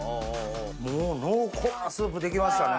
もう濃厚なスープ出来ましたね。